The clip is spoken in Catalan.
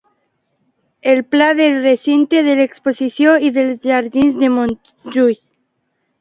El pla del recinte de l'exposició i dels jardins de Montjuïc.